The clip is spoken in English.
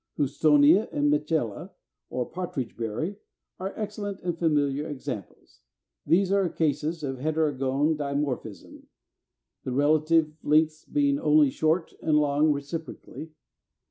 Houstonia and Mitchella, or Partridge berry, are excellent and familiar examples. These are cases of Heterogone Dimorphism, the relative lengths being only short and long reciprocally.